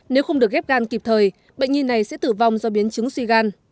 nếu không được ghép gan kịp thời bệnh nhi này sẽ tử vong do biến chứng suy gan